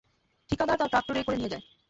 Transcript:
ঠিকাদার তার ট্রাক্টরে করে নিয়ে যায়।